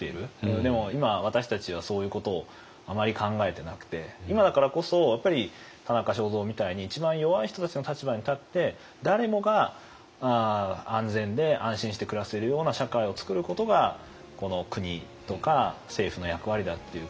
でも今私たちはそういうことをあまり考えてなくて今だからこそやっぱり田中正造みたいに一番弱い人たちの立場に立って誰もが安全で安心して暮らせるような社会をつくることがこの国とか政府の役割だっていうことつまり人権の思想ですよね。